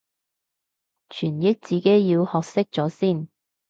傳譯自己要學識咗先